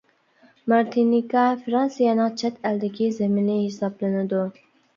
مارتىنىكا فىرانسىيەنىڭ چەت ئەلدىكى زېمىنى ھېسابلىنىدۇ.